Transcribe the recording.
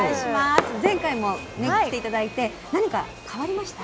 前回も来て頂いて何か変わりました？